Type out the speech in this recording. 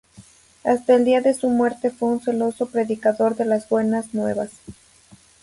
Hasta el día de su muerte fue un celoso predicador de las buenas nuevas.